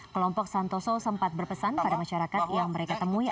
kelompok santoso sempat berpesan pada masyarakat yang mereka temui